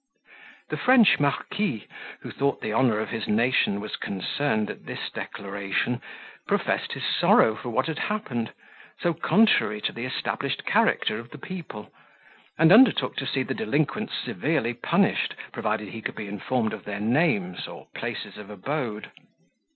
The French marquis, who thought the honour of his nation was concerned at this declaration, professed his sorrow for what had happened, so contrary to the established character of the people, and undertook to see the delinquents severely punished, provided he could be informed of their names or places of abode.